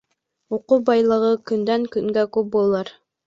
Уҡыу байлығы көндән-көнгә күп булыр